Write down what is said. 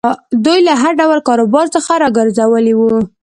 دوی له هر ډول کاروبار څخه را ګرځولي وو.